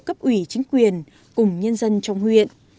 cấp ủy chính quyền cùng nhân dân trong huyện